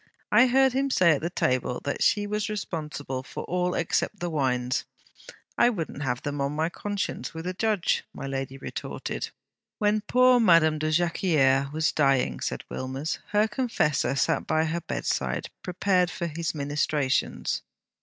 I heard him say at table that she was responsible for all except the wines. "I wouldn't have them on my conscience, with a Judge!" my lady retorted.' 'When poor Madame de Jacquieres was dying,' said Wilmers, 'her confessor sat by her bedside, prepared for his ministrations.